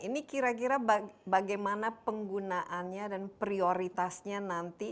ini kira kira bagaimana penggunaannya dan prioritasnya nanti